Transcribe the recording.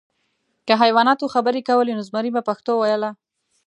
که حیواناتو خبرې کولی، نو زمری به پښتو ویله .